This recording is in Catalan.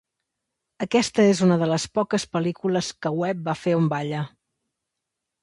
Aquesta és una de les poques pel·lícules que Webb va fer on balla.